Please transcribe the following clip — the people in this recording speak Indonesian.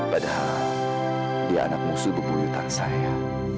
padahal dia anak musuh bepolutang saya